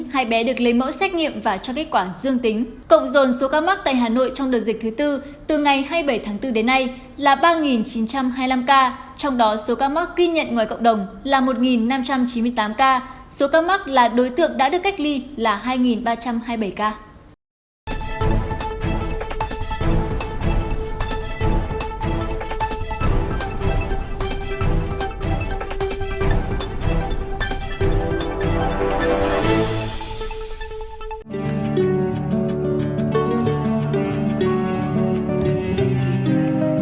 hãy đăng ký kênh để ủng hộ kênh của chúng mình nhé